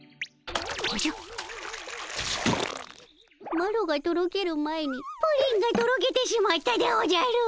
マロがとろける前にプリンがとろけてしまったでおじゃる！